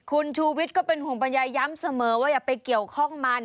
คุณชูวิทย์ก็เป็นห่วงปัญญาย้ำเสมอว่าอย่าไปเกี่ยวข้องมัน